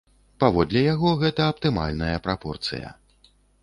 Паводле яго, гэта аптымальная прапорцыя.